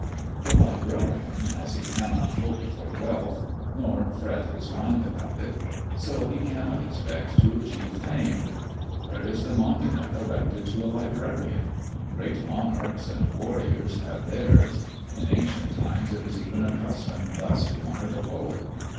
The Librarian, as he cannot hope for Wealth ( nor fret his Mind about it), so he cannot expect to achieve Fame. Where is the Monument erected to a Librarian ? Great Monarchs and Warriors have theirs ; in ancient times it was even a custom thus to honour the Poet.